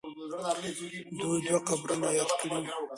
دوی دوه قبرونه یاد کړي وو.